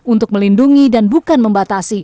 untuk melindungi dan bukan membatasi